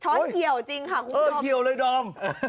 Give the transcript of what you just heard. ช้อนเขี่ยวจริงค่ะคุณส้อม